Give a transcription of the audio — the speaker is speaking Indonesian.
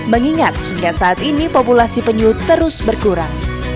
mengingat hingga saat ini populasi penyu terus berkurang